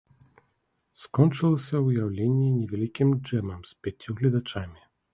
Скончылася ўяўленне невялікім джэмам з пяццю гледачамі.